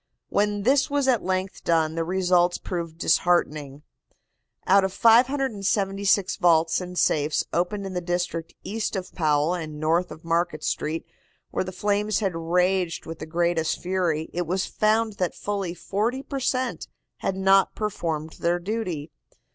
When this was at length done the results proved disheartening. Out of 576 vaults and safes opened in the district east of Powell and north of Market Street, where the flames had raged with the greatest fury, it was found that fully forty per cent. had not performed their duty.